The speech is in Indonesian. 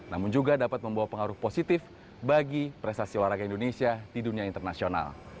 namun juga dapat membawa pengaruh positif bagi prestasi olahraga indonesia di dunia internasional